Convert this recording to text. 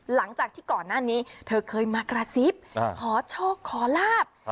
หลังจากที่ก่อนหน้านี้เธอเคยมากระซิบขอโชคขอลาบ